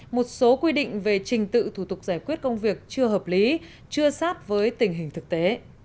một số quy định về trình tự thủ tục giải quyết công việc chưa hợp lý chưa sát với tình hình thực tế